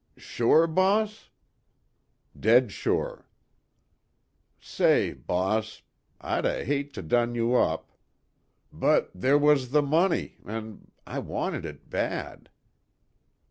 "Sure, boss?" "Dead sure." "Say, boss, I'd 'a' hate to done you up. But ther' was the money, an' I wanted it bad."